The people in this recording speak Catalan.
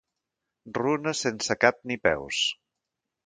Runes sense cap ni peus.